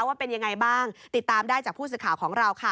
ว่าเป็นยังไงบ้างติดตามได้จากผู้สื่อข่าวของเราค่ะ